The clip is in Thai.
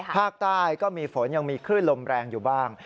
ภาคใต้ก็มีฝนยังมีคลื่นลมแรงอยู่บ้าง